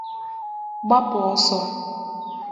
gbapụ ọsọ